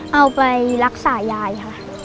เอาไปรักษายายค่ะ